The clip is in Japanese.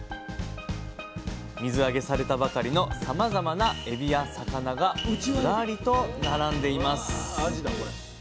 水揚げされたばかりのさまざまなエビや魚がずらりと並んでいます。